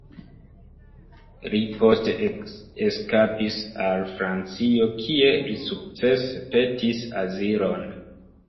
Li poste eskapis al Francio, kie li sukcese petis azilon.